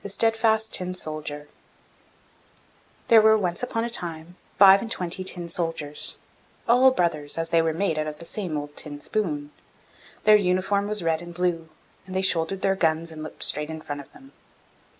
THE STEADFAST TIN SOLDIER There were once upon a time five and twenty tin soldiers all brothers, as they were made out of the same old tin spoon. Their uniform was red and blue, and they shouldered their guns and looked straight in front of them.